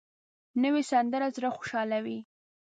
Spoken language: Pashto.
نوې سندره زړه خوشحالوي